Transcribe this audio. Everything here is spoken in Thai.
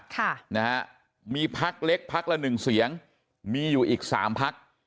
ค่ะนะฮะมีภักดิ์เล็กภักดิ์ละหนึ่งเสียงมีอยู่อีกสามภักดิ์